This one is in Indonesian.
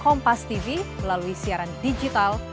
kompastv melalui siaran digital